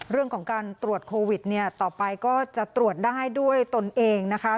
เรื่องของการตรวจโควิดเนี่ยต่อไปก็จะตรวจได้ด้วยตนเองนะคะ